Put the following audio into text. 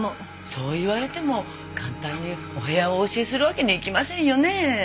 そう言われても簡単にお部屋をお教えするわけにはいきませんよねえ。